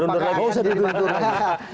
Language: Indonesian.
nggak usah diundur undur lagi